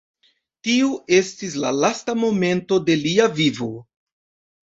Tio estis la lasta momento de lia vivo.